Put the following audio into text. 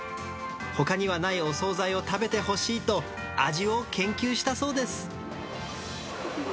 ほかにはないお総菜を食べてほしいと、味を研究したそうです。